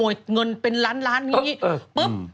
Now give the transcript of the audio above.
เขาขโมยเงินเป็นล้านมือปุ๊บ